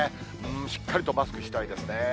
しっかりとマスクしたいですね。